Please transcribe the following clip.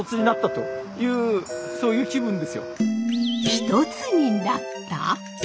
一つになった？